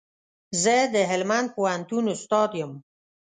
زه د هلمند پوهنتون استاد يم